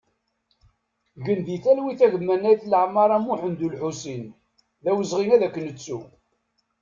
Gen di talwit a gma Naït Lamara Muḥand Ulḥusin, d awezɣi ad k-nettu!